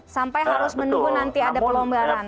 sampai harus menunggu nanti ada pelonggaran